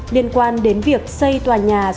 liên quan đến việc xây tòa nhà số tám b phố lê trực hà nội